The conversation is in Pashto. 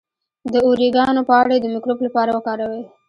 د اوریګانو پاڼې د مکروب لپاره وکاروئ